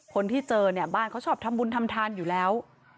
คนที่เจอเนี่ยบ้านเขาชอบทำบุญทำทานอยู่แล้ว